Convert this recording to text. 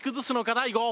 大悟。